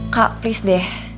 kak please deh